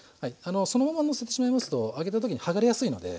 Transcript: そのままのせてしまいますと揚げた時にはがれやすいので。